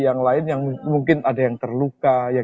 yang lain yang mungkin ada yang terluka